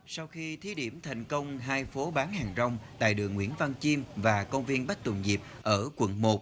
sau khi thi điểm thành công hai phố bán hàng rong tại đường nguyễn văn chim và công viên bách tùng dịp ở quận một